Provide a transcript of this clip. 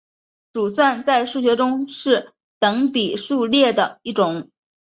鼠算在数学中是等比数列的一种。